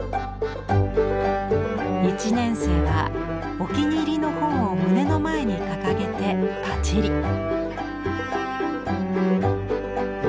１年生はお気に入りの本を胸の前に掲げてパチリ！